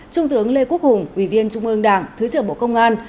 trung tướng lê quốc hùng ủy viên trung ương đảng thứ trưởng bộ công an